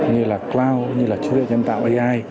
như là cloud như là chữ lệ nhân tạo ai